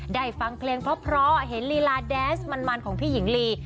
ได้ฟังเพลงพ้อเห็นรีลาแดนซ์มันของพี่หญิงลี